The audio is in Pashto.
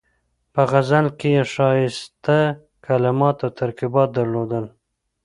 په غزل کې یې ښایسته کلمات او ترکیبات درلودل.